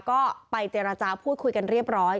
ก็ไปเจรจาพูดคุยกันเรียบร้อย